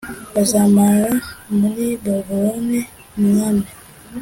bazamara muri babuloni umwami